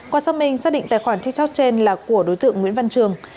qua xác minh xác định tài khoản tiktok trên là của đối tượng nguyễn văn trường